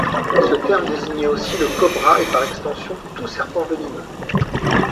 Ce terme désignait aussi le cobra et par extension tout serpent venimeux.